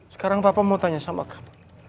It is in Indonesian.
sekarang bapak mau tanya sama kamu